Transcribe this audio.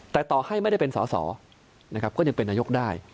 แต่ต่อให้ไม่ได้เป็นสอสอนะครับก็ยังเป็นนายกได้